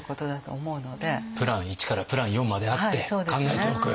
プラン１からプラン４まであって考えておく。